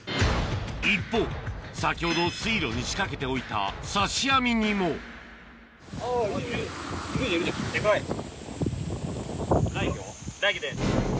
一方先ほど水路に仕掛けておいた刺し網にもライギョ？